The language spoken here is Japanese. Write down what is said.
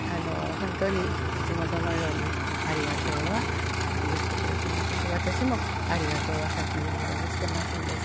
本当にいつもそのように「ありがとう」は言ってくれてますし私も「ありがとう」は先言うようにしてますんですけれども。